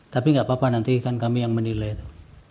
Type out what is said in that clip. tapi gak apa apa nanti kan kami yang menilai itu